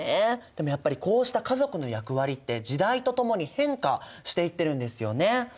でもやっぱりこうした家族の役割って時代とともに変化していってるんですよね。